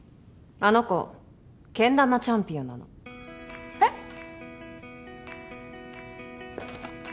あの子けん玉チャンピオンなのえっ！？